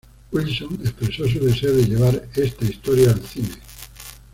Wilson expresó su deseo de llevar esta historia al cine.